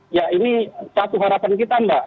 ya ini satu harapan kita mbak